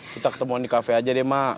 kita ketemuan di kafe aja deh mak